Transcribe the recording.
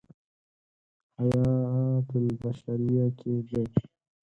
حیاة البشریة کې دی.